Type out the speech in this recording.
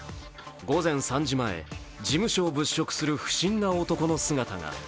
午前３時前、事務所を物色する不審な男の姿が。